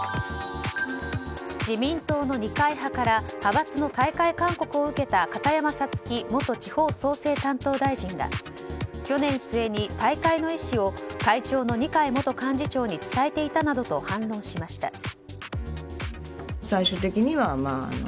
自民党の二階派から派閥の退会勧告を受けた片山さつき元地方創生担当大臣が去年末に退会の意思を会長の二階元幹事長に伝えていたなどと反論しました。